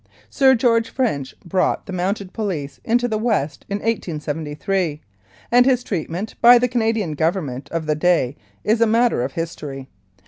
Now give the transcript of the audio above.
Sir George French brought the Mounted Police into the West in 1873, and his treatment by the Canadian Government of the day is a matter of history.